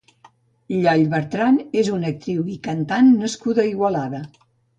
Lloll Bertran és una actriu i cantant nascuda a Igualada.